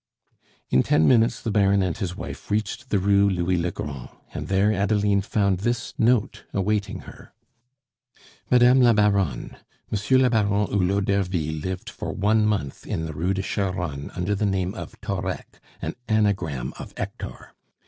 In ten minutes the Baron and his wife reached the Rue Louis le Grand, and there Adeline found this note awaiting her: "MADAME LA BARONNE, "Monsieur le Baron Hulot d'Ervy lived for one month in the Rue de Charonne under the name of Thorec, an anagram of Hector.